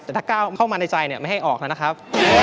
แต่ถ้าก้าวเข้ามาในใจไม่ให้ออกแล้วนะครับ